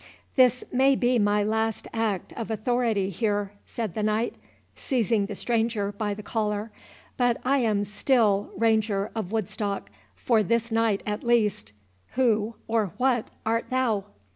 "This may be my last act of authority here," said the knight, seizing the stranger by the collar, "but I am still Ranger of Woodstock for this night at least—Who, or what art thou?"